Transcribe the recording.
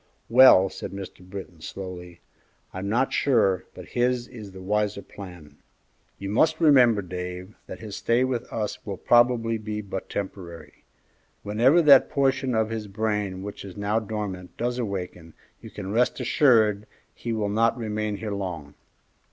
"Well," said Mr. Britton, slowly, "I'm not sure but his is the wiser plan. You must remember, Dave, that his stay with us will probably be but temporary. Whenever that portion of his brain which is now dormant does awaken, you can rest assured he will not remain here long.